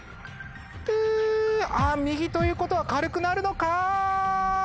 テ！あっ右ということは軽くなるのか？